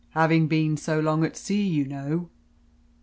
Having been so long at sea, you know."